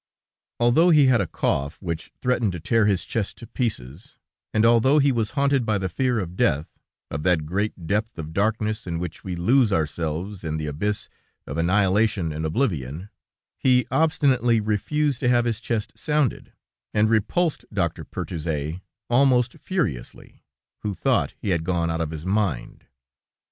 "Although he had a cough, which threatened to tear his chest to pieces, and although he was haunted by the fear of death, of that great depth of darkness in which we lose ourselves in the abyss of Annihilation and Oblivion, he obstinately refused to have his chest sounded, and repulsed Doctor Pertuzés almost furiously, who thought he had gone out of his mind."